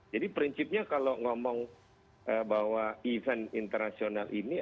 jadi prinsipnya kalau ngomong bahwa event internasional ini